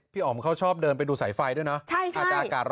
อ๋อมเขาชอบเดินไปดูสายไฟด้วยเนาะ